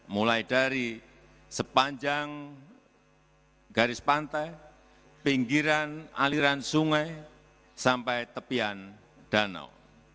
mulai dari sepanjang garis pantai pinggiran aliran sungai sampai tepian danau